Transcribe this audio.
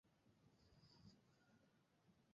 আমি এর মধ্যে থাকতে চেয়েছিলাম।"